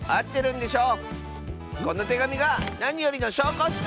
このてがみがなによりのしょうこッス！